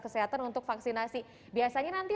kesehatan untuk vaksinasi biasanya nanti